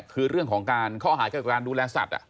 คือเรื่องของข้อหาข้าวการดูแลสัตว์